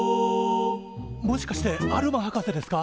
もしかしてアルマ博士ですか？